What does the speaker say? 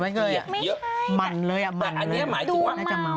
มันเลยดูเมาเหมือนกันแต่อันนี้หมายถึงว่า